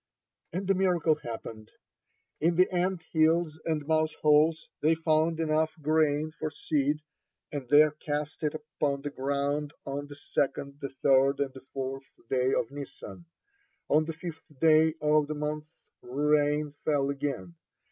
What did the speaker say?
And a miracle happened. In the ant hills and mouse holes, they found enough grain for seed, and they cast it upon the ground on the second, the third, and the fourth day of Nisan. On the fifth day of the month rain fell again.